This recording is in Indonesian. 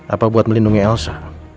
apa buat melindungi elsa